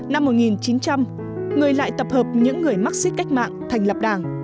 năm một nghìn chín trăm linh người lại tập hợp những người marxist cách mạng thành lập đảng